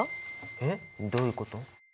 えっどういうこと！？